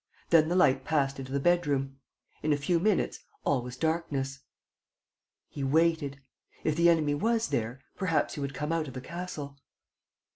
Then the light passed into the bedroom. In a few minutes, all was darkness. He waited. If the enemy was there, perhaps he would come out of the castle.